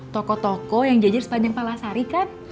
toko toko yang jajar sepanjang palasari kan